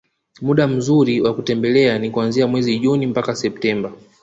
Muda mzuri wa kutembelea ni kuanzia mwezi Juni mpaka Septemba